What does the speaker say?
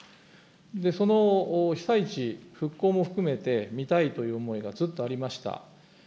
その被災地、復興も含めて見たいという思いがずっとありました。